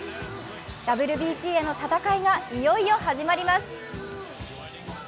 ＷＢＣへの戦いがいよいよ始まります。